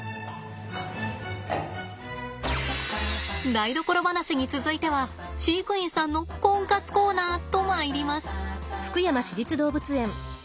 台所話に続いては飼育員さんのコンカツコーナーとまいります。